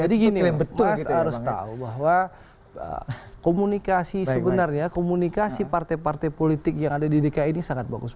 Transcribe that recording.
gini mas harus tahu bahwa komunikasi sebenarnya komunikasi partai partai politik yang ada di dki ini sangat bagus